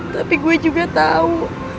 tapi gue juga tau